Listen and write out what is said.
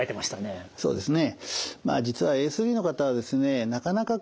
そうですね。